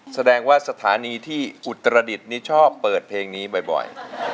แสดงว่าสถานีที่อุตรดิษฐ์นี้ชอบเปิดเพลงนี้บ่อย